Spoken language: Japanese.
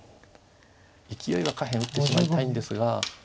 いきおいは下辺打ってしまいたいんですが。